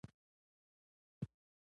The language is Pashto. په بد حال دې نه شي ليدلی.